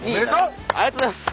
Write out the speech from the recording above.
ありがとうございます。